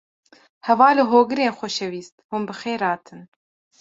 Heval û Hogirên Xoşewîst, hûn bi xêr hatin